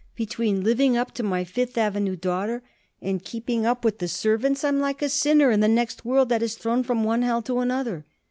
Between living up to my Fifth Avenue daughter and keeping up with the servants I am like a sinner in the next world that is thrown from one hell to another."